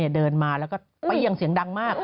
เดินมาแล้วก็เปรี้ยงเสียงดังมาก